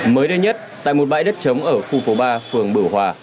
mới đây nhất tại một bãi đất chống ở khu phố ba phường bửa hòa